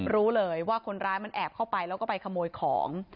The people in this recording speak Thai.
รู้เลยว่าคนร้ายมันแอบเข้าไปแล้วก็ไปขโมยของ